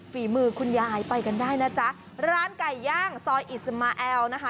ฝีมือคุณยายไปกันได้นะจ๊ะร้านไก่ย่างซอยอิสมาแอลนะคะ